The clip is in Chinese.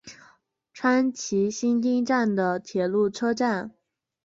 川崎新町站的铁路车站。